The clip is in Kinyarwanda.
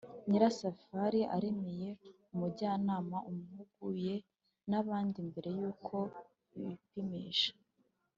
nyirasafari aremeye. umujyanama amuhuguye n’abandi mbere yuko bipimisha.